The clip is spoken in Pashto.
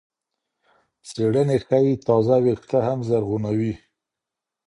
څېړنې ښيي تازه وېښته هم زرغونوي.